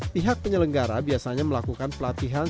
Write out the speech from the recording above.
pihak penyelenggara biasanya melakukan pelatihan